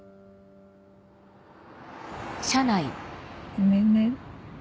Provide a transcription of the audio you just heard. ごめんね。